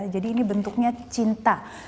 jadi ini bentuknya cinta